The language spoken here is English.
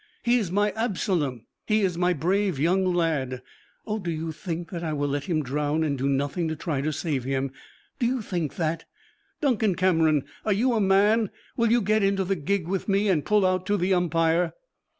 He is my Absalom; he is my brave young lad: oh, do you think that I will let him drown and do nothing to try to save him? Do you think that? Duncan Cameron, are you a man? Will you get into the gig with me and pull out to the Umpire?"